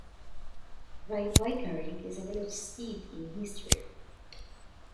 Great Wakering is a village steeped in history.